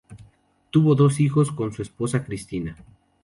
Tuvo dos hijos con su esposa Cristina.